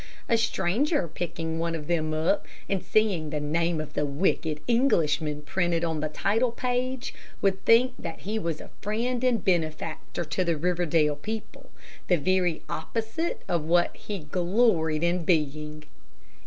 A stranger picking one of them up, and seeing the name of the wicked Englishman printed on the title page, would think that he was a friend and benefactor to the Riverdale people the very opposite of what he gloried in being.